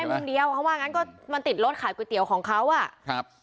มุมเดียวเขาว่างั้นก็มันติดรถขายก๋วยเตี๋ยวของเขาอ่ะครับ